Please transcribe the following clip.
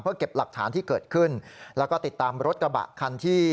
เก็บหลักฐานที่เกิดขึ้นแล้วก็ติดตามรถกระบะคันที่